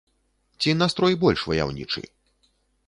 Ці настрой больш ваяўнічы?